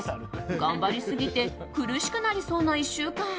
頑張りすぎて苦しくなりそうな１週間。